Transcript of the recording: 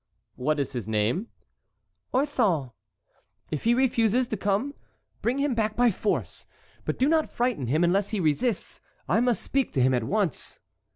"What is his name?" "Orthon. If he refuses to come bring him back by force; but do not frighten him unless he resists. I must speak to him at once."